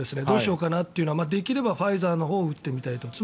どうしようかなというのはできればファイザーのほうを打ってみたいと。